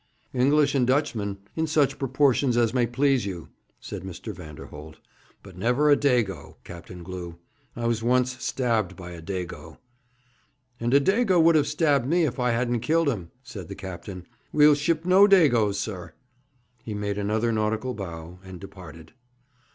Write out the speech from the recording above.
'English and Dutchmen, in such proportions as may please you,' said Mr. Vanderholt; 'but never a Dago, Captain Glew. I was once stabbed by a Dago.' 'And a Dago would have stabbed me if I hadn't killed him,' said the captain. 'We'll ship no Dagos, sir.' He made another nautical bow, and departed.